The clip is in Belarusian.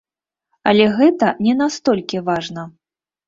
Але гэта не настолькі важна.